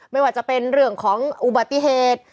ไม่ว่าจะเป็นเรื่องของอุบัติเหตุ